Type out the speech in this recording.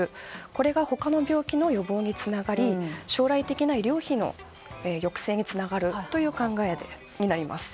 これが他の病気の予防につながり将来的な医療費の抑制につながるという考えになります。